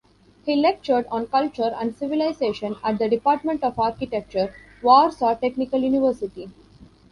He lectured on culture and civilization at the Department of Architecture, Warsaw Technical University.